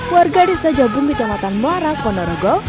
warga desa jabung kecamatan melara ponorogo